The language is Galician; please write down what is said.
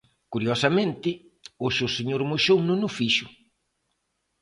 Curiosamente, hoxe o señor Moxón non o fixo.